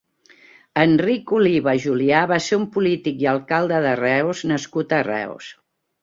Enric Oliva Julià va ser un polític i alcalde de Reus nascut a Reus.